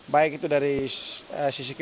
baik itu dari sisi kesehatan